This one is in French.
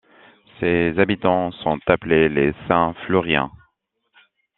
Ses habitants sont appelés les Saint-Flouriens.